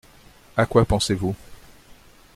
À quoi pensez-vous ?